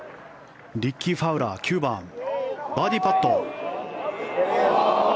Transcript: リッキー・ファウラー、９番バーディーパット。